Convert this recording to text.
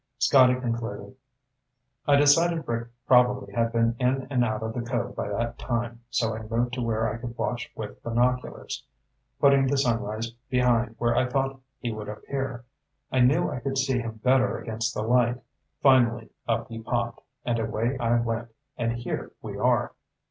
Scotty concluded, "I decided Rick probably had been in and out of the cove by that time, so I moved to where I could watch with binoculars, putting the sunrise behind where I thought he would appear. I knew I could see him better against the light. Finally up he popped, and away I went, and here we are."